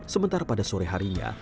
sementara pada sore harinya